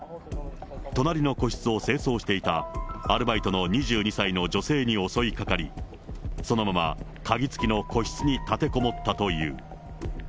隣の個室を清掃していたアルバイトの２２歳の女性に襲いかかり、そのまま鍵付きの個室に立てこもったという。